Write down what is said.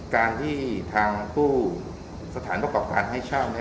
การที่ทางผู้สถานประกอบการให้เช่าเนี่ย